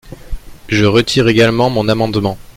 Je retire également mon amendement.